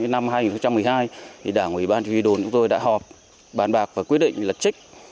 năm hai nghìn một mươi hai đảng ubnd đồn đã họp bàn bạc và quyết định lật trích